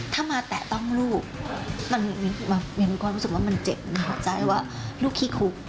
ถ้ามาแตะต้องลูกมิ้นก็รู้สึกว่ามันเจ็บในหัวใจว่าลูกขี้คุก